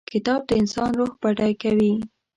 کتاب د انسان روح بډای کوي.